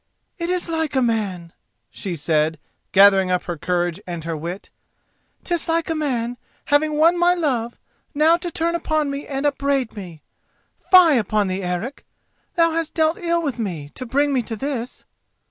"It is like a man," she said, gathering up her courage and her wit; "'tis like a man, having won my love, now to turn upon me and upbraid me. Fie upon thee, Eric! thou hast dealt ill with me to bring me to this."